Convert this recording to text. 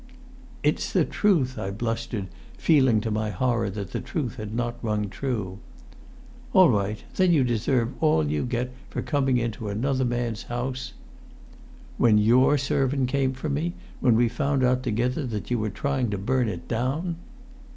"It's the truth!" I blustered, feeling to my horror that the truth had not rung true. "All right! Then you deserve all you get for coming into another man's house " "When your servant came for me, and when we found out together that you were trying to burn it down?"